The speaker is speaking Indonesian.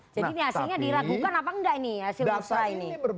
jadi ini hasilnya diragukan apa enggak ini hasil musra ini